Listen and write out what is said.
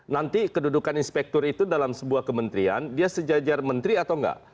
nanti kedudukan inspektur itu dalam sebuah kementerian dia sejajar menteri atau enggak